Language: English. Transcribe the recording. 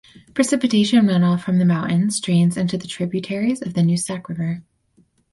Precipitation runoff from the mountain drains into tributaries of the Nooksack River.